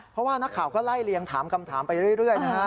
เพราะว่านักข่าวก็ไล่เลียงถามคำถามไปเรื่อยนะฮะ